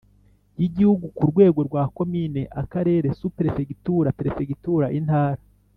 Y igihugu ku rwego rwa komini akarere superefegitura perefegitura intara